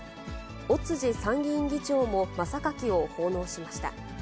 尾辻参議院議長も真榊を奉納しました。